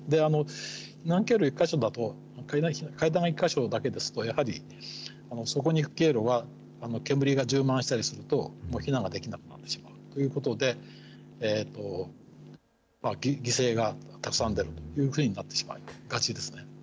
避難経路が１か所だけだと、階段が１か所だけですとやはり、そこに行く経路は煙が充満したりすると、もう避難ができなくなってしまうということで、犠牲がたくさん出るというふうになってしまいがちですね。